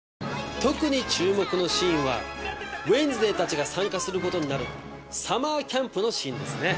特に注目のシーンはウェンズデーたちが参加することになるサマーキャンプのシーンですね。